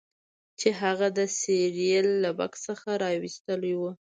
چې هغه د سیریل له بکس څخه راویستلی و